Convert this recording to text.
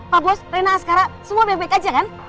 pak bos rena askara semua baik baik aja kan